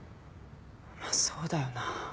まあそうだよな。